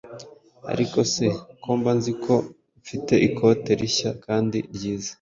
Arikose ko mba nzi ko mfite ikote rishya kandi ryiza